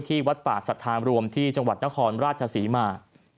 วัดป่าสัทธามรวมที่จังหวัดนครราชศรีมา